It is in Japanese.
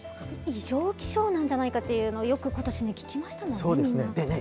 異常気象なんじゃないかっていうのをよくことしも聞きましたそうですね。